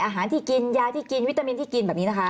อาหารที่กินยาที่กินวิตามินที่กินแบบนี้นะคะ